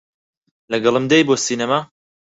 لەگەڵم دێیت بۆ سینەما؟